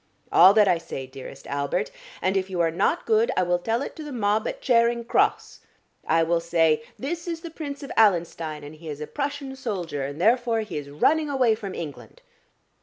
All that I say, dearest Albert, and if you are not good I will tell it to the mob at Charing Cross. I will say, 'This is the Prince of Allenstein, and he is a Prussian soldier, and therefore he is running away from England.'